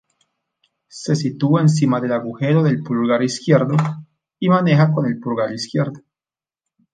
Se sitúa encima del agujero del pulgar izquierdo y maneja con el pulgar izquierdo.